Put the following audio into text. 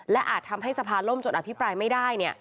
และอาจทำให้สภาล่มจนอภิปรายไม่ได้